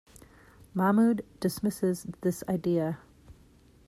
Mamoud dismisses this idea.